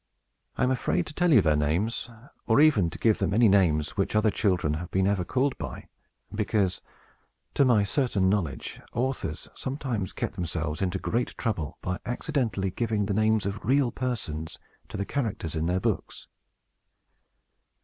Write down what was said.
I am afraid to tell you their names, or even to give them any names which other children have ever been called by; because, to my certain knowledge, authors sometimes get themselves into great trouble by accidentally giving the names of real persons to the characters in their books.